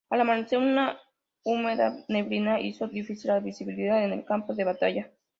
Al amanecer, una húmeda neblina hizo difícil la visibilidad en el campo de batalla.